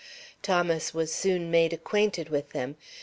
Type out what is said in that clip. Thomas was soon made acquainted with them.